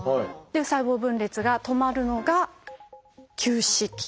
細胞分裂が止まるのが「休止期」。